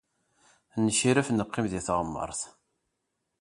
Nekref, neqqim deg teɣmert.